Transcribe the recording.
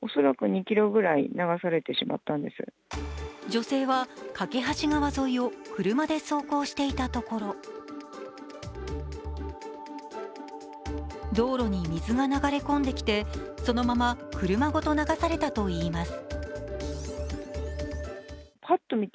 女性は梯川沿いを車で走行していたところ道路に水が流れ込んできてそのまま車ごと流されたと云います。